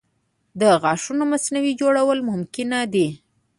د غاښونو مصنوعي جوړول ممکنه دي.